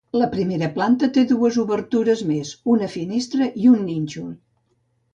La primera planta té dues obertures més, una finestra i un nínxol.